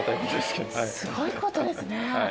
すごいことですね。